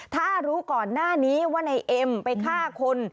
ถ้ารู้ก่อนหน้านี้ว่านายเอ็มไปฆ่าคน